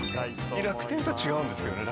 楽天とは違うんですけどね